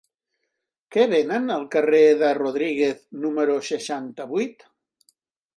Què venen al carrer de Rodríguez número seixanta-vuit?